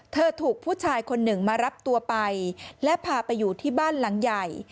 ถูกผู้ชายคนหนึ่งมารับตัวไปและพาไปอยู่ที่บ้านหลังใหญ่